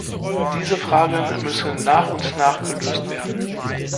Diese Fragen müssen nach und nach gelöst werden.